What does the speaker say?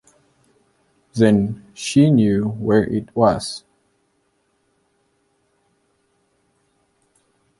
Then she knew where it was.